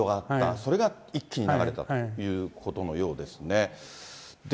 それが一気に流れたということのようですね。